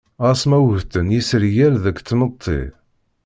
Ɣas ma ugten yisergal deg tmetti.